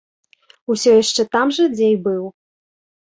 Усё яшчэ там жа, дзе і быў.